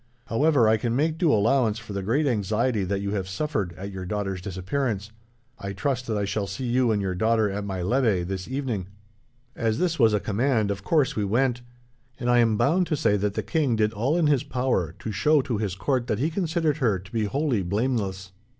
However, I can make due allowance for the great anxiety that you have suffered, at your daughter's disappearance. I trust that I shall see you and your daughter at my levee, this evening.' "As this was a command, of course we went, and I am bound to say that the king did all in his power to show to his court that he considered her to be wholly blameless.